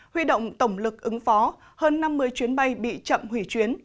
huy động tổng lực ứng phó hơn năm mươi chuyến bay bị chậm hủy chuyến